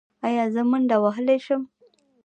ایا زه منډه وهلی شم؟